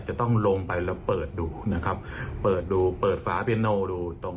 จะต้องลงไปแล้วเปิดดูนะครับเปิดดูเปิดฝาเปียโนดูตรง